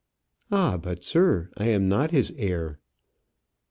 "Ah! but, sir, I am not his heir."